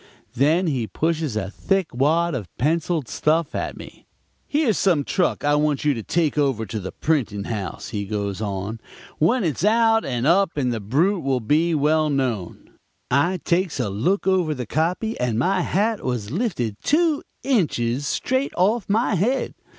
Then he pushes a thick wad of penciled stuff at me. 'Here's some truck I want you to take over to the printing house,' he goes on. 'When it's out and up the brute will be well known.' "I takes a look over the copy, and my hat was lifted two inches straight off my head.